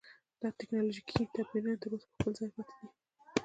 دا ټکنالوژیکي توپیرونه تر اوسه په خپل ځای پاتې دي.